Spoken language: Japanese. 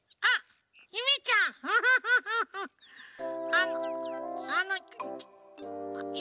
あのあの。